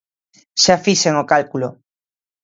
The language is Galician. Xa fixen o cálculo.